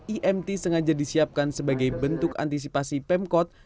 imt sengaja disiapkan sebagai bentuk antisipasi pemkot